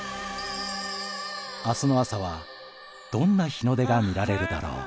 明日の朝はどんな日の出が見られるだろう。